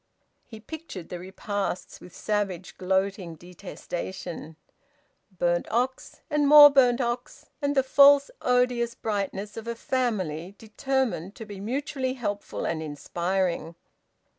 He pictured the repasts with savage gloating detestation burnt ox, and more burnt ox, and the false odious brightness of a family determined to be mutually helpful and inspiring.